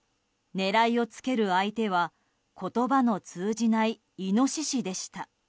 狙いをつける相手は言葉の通じないイノシシでした。